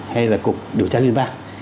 hay là cục điều tra liên bang